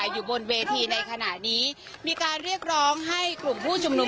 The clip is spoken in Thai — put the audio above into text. อยู่บนเวทีในขณะนี้มีการเรียกร้องให้กลุ่มผู้ชุมนุม